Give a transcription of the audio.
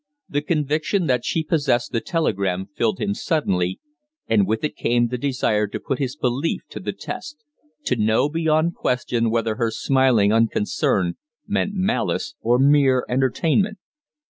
The conviction that she possessed the telegram filled him suddenly, and with it came the desire to put his belief to the test to know beyond question whether her smiling unconcern meant malice or mere entertainment.